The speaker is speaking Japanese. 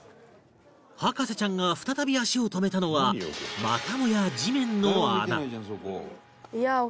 博士ちゃんが再び足を止めたのはまたもや